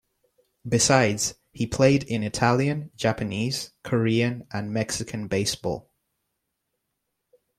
Besides, he played in Italian, Japanese, Korean and Mexican baseball.